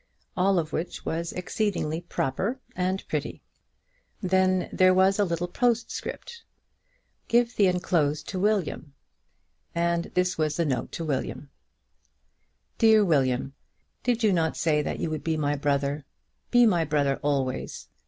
All of which was exceedingly proper and pretty. Then there was a little postscript, "Give the enclosed to William." And this was the note to William: DEAR WILLIAM, Did you not say that you would be my brother? Be my brother always.